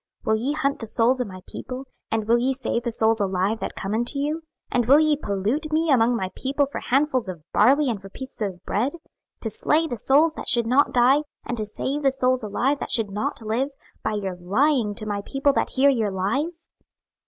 Will ye hunt the souls of my people, and will ye save the souls alive that come unto you? 26:013:019 And will ye pollute me among my people for handfuls of barley and for pieces of bread, to slay the souls that should not die, and to save the souls alive that should not live, by your lying to my people that hear your lies?